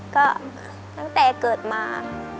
ก็ตั้งแต่เกิดมา